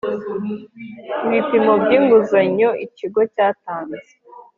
Ibipimo by inguzanyo ikigo cyatanze